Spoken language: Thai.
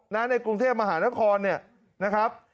ในกรุงเทพมหานครเนี่ยนะครับ